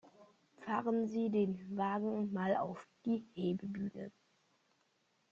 Fahren Sie den Wagen mal auf die Hebebühne!